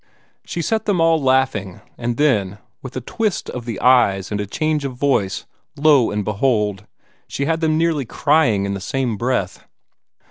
She set them all laughing; and then, with a twist of the eyes and a change of voice, lo, and behold, she had them nearly crying in the same breath.